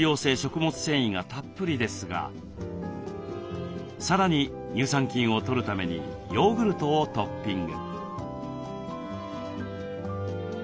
繊維がたっぷりですがさらに乳酸菌をとるためにヨーグルトをトッピング。